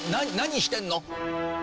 何してんの？